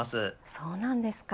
そうなんですか。